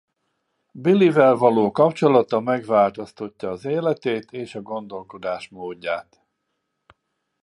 Billie-vel való kapcsolata megváltoztatja az életét és gondolkodásmódját.